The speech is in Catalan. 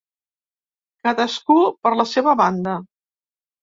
Cadascú per la seva banda.